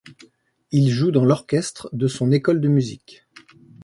Il joue dans l'orchestre de son école de musique.